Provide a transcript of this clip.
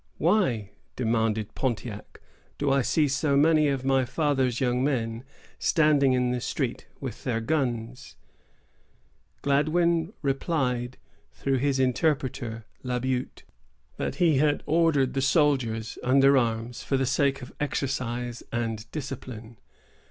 "Why," demanded Pontiac, "do I see so many of my father's young men standing in the street with their guns?" Gladwyn replied through his interpreter, La Butte, that he had ordered the soldiers under arms for the sake of exercise and discipline.